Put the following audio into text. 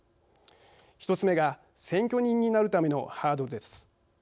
１つ目が選挙人になるためのハードルです。